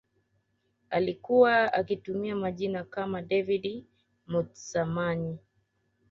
Alikuwa akitumia majina kama David Mutsamanyi